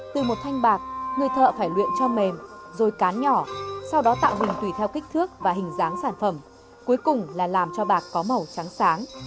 từ một thanh bạc người thợ phải luyện cho mềm rồi cán nhỏ sau đó tạo hình tùy theo kích thước và hình dáng sản phẩm cuối cùng là làm cho bạc có màu trắng sáng